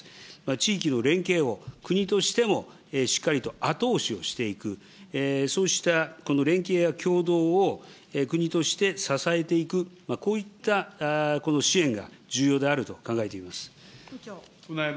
地域の連携を国としてもしっかりと後押しをしていく、そうしたこの連携や協働を国として支えていく、こういった支援が重要であると考えています。